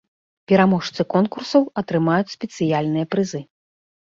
Пераможцы конкурсаў атрымаюць спецыяльныя прызы.